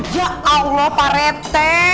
ya allah parete